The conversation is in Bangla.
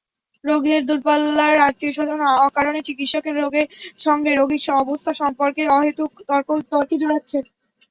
রোগীদের দূরপাল্লার আত্মীয়স্বজন অকারণে চিকিৎসকের সঙ্গে রোগীর অবস্থা সম্পর্কে অহেতুক তর্কে জড়াচ্ছেন।